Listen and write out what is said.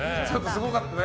すごかったね。